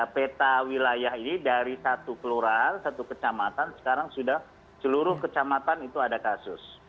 peta wilayah ini dari satu kelurahan satu kecamatan sekarang sudah seluruh kecamatan itu ada kasus